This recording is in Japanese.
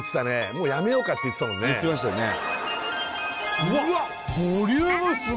もうやめようかって言ってたもんね言ってましたよねうわ！